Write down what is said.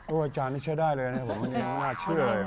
โอ้อาจารย์นี่ใช้ได้เลยนะครับผมน่าเชื่อเลย